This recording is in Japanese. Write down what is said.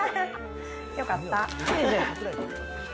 よかった。